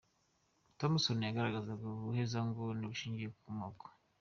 Thompson yagaragazaga ubuhezanguni bushingiye ku moko.